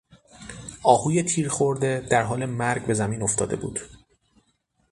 آهوی تیر خورده در حال مرگ به زمین افتاده بود.